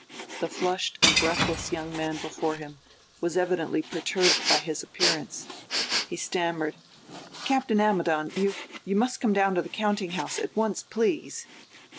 The flushed and breathless young man before him was evidently perturbed by his appearance. He stammered: "Captain Ammidon, you you must come down to the countinghouse. At once, please!"